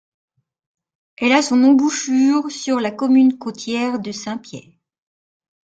Elle a son embouchure sur la commune côtière de Saint-Pierre.